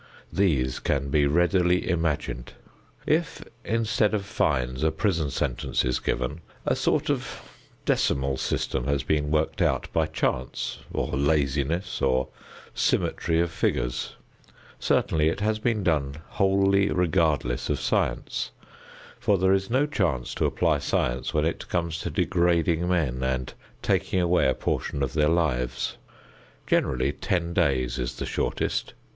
These can be readily imagined. If instead of fines a prison sentence is given, a sort of decimal system has been worked out by chance or laziness or symmetry of figures; certainly it has been done wholly regardless of science, for there is no chance to apply science when it comes to degrading men and taking away a portion of their lives. Generally ten days is the shortest.